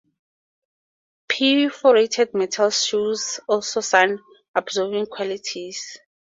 Perforated metal shows also sound absorbing qualities.